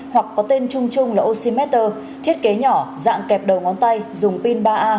hoặc có tên chung chung là oxymeter thiết kế nhỏ dạng kẹp đầu ngón tay dùng pin ba a